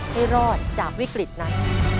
ให้รอดจากวิกฤตนั้น